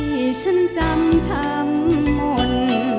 ที่ฉันจำช้ำหม่น